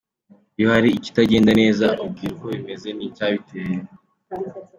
Iyo hari ikitagenda neza, akubwira uko bimeze ni icyabiteye.